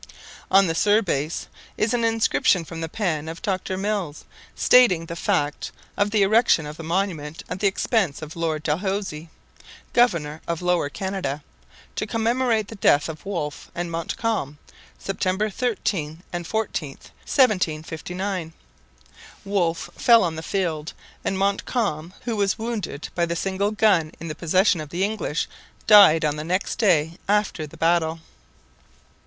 On the surbase is an inscription from the pen of Dr. Mills, stating the fact of the erection of the monument at the expense of Lord Dalhousie, Governor of Lower Canada, to commemorate the death of Wolfe and Montcalm, Sept. 13 and 14, 1759. Wolfe fell on the field; and Montcalm, who was wounded by the single gun in the possession of the English, died on the next day after the battle.